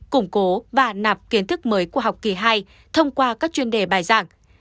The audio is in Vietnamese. củng cố và nạp kiến thức mới của học kỳ hai thông qua các chuyên đề bài giảng